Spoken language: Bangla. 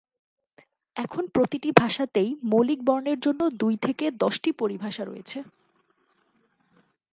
এখন প্রতিটি ভাষাতেই মৌলিক বর্ণের জন্য দুই থেকে দশটি পরিভাষা রয়েছে।